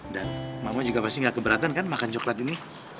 dan mama juga pasti nggak keberatan kan makan coklat ini